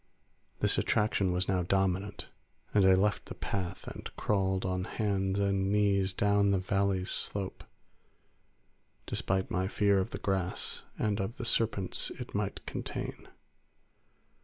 This attraction was now dominant, and I left the path and crawled on hands and knees down the valley's slope despite my fear of the grass and of the serpents it might contain.